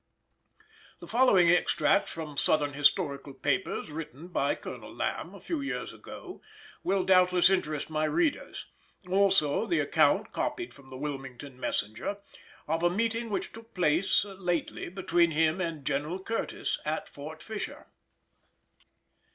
_] The following extract from Southern Historical Papers, written by Colonel Lamb a few years ago, will doubtless interest my readers; also the account, copied from the Wilmington Messenger, of a meeting which took place lately between him and General Curtis at Fort Fisher.